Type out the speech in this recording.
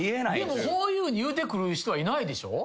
でもふぉゆに言うてくる人はいないでしょ？